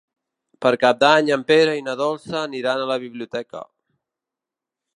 Per Cap d'Any en Pere i na Dolça aniran a la biblioteca.